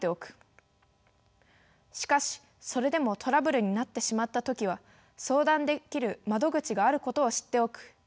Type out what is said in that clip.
しかしそれでもトラブルになってしまった時は相談できる窓口があることを知っておく。